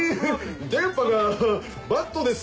電波がバッドです。